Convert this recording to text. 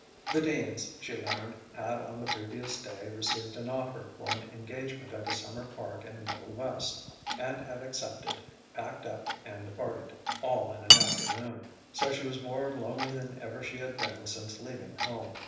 The Deans, she learned, had on the previous day received an offer for an engagement at a summer park in the Middle West, and had accepted, packed up and departed, all in an afternoon. So she was more lonely than ever she had been since leaving home.